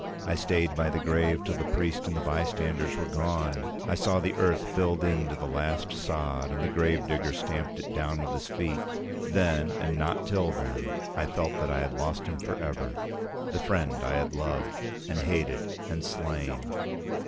I stayed by the grave till the priest and the bystanders were gone. I saw the earth filled in to the last sod, and the gravedigger stamp it down with his feet. Then, and not till then, I felt that I had lost him for ever—the friend I had loved, and hated, and slain.